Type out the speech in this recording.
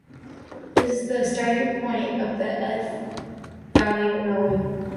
This is the starting point of the Elz Valley Railway.